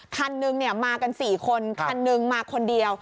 คันนึงมากัน๔คนคันหนึ่งมาคนเดียว